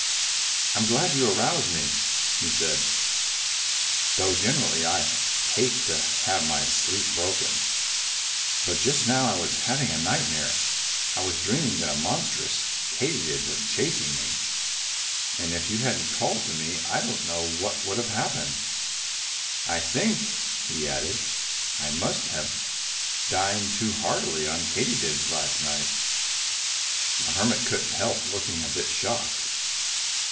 "I'm glad you roused me," he said, "though generally I hate to have my sleep broken. But just now I was having a nightmare. I was dreaming that a monstrous Katydid was chasing me. And if you hadn't called to me I don't know what would have happened.... I think," he added, "I must have dined too heartily on Katydids last night." The Hermit couldn't help looking a bit shocked.